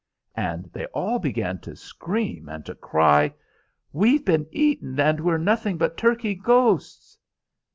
And they all began to scream and to cry, "We've been eaten, and we're nothing but turkey ghosts."